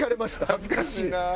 恥ずかしいな。